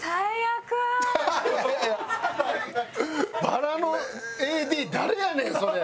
バラのＡＤ誰やねんそれ！